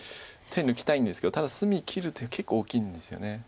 手抜きたいんですけどただ隅切る手結構大きいんですよね。